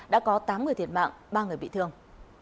đã có tám người thiệt mạng ba người bị thương